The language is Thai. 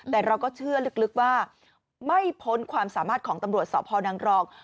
แต่เราก็เชื่อลึกว่าไม่พ้นความสามารถของตำรวจสพนังกรอง